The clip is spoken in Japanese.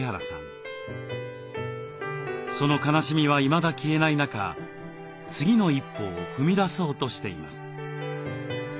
その悲しみはいまだ消えない中次の一歩を踏み出そうとしています。